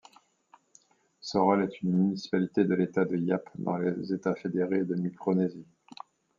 Sorol est une municipalité de l'État de Yap, dans les États fédérés de Micronésie.